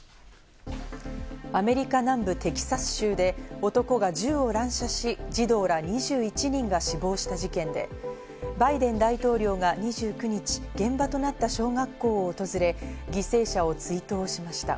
アメリカ南部テキサス州で男が銃を乱射し、児童ら２１人が死亡した事件で、バイデン大統領が２９日、現場となった小学校を訪れ、犠牲者を追悼しました。